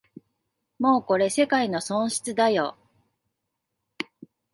もうこれ世界の損失だよ